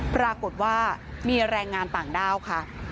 ปรากฏว่ามีแรงงานต่างด้าวค่ะ